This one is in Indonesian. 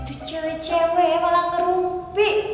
itu cewek cewek malah ngerupi